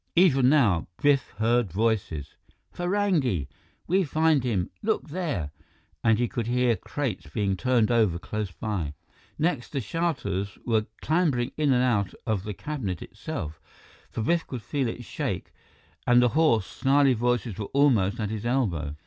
Even now, Biff heard voices: "Farangi we find him look there...." And he could hear crates being turned over close by. Next, the shouters were clambering in and out of the cabinet itself, for Biff could feel it shake and the hoarse, snarly voices were almost at his elbow.